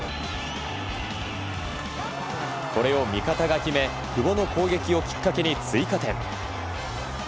これを味方が決め久保の攻撃をきっかけに追加点。